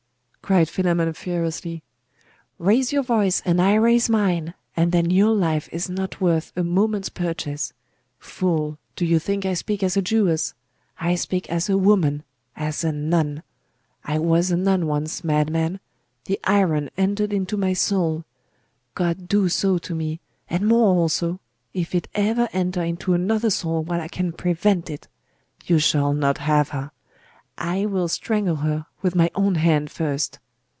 cried Philammon furiously. 'Raise your voice and I raise mine: and then your life is not worth a moment's purchase. Fool, do you think I speak as a Jewess? I speak as a woman as a nun! I was a nun once, madman the iron entered into my soul! God do so to me, and more also, if it ever enter into another soul while I can prevent it! You shall not have her! I will strangle her with my own hand first!